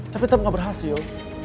tapi tetep gak berhasil